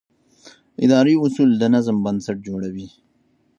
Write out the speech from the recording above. اداري اصول د نظم بنسټ جوړوي.